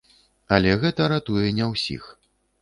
Але гэта ратуе не ўсіх.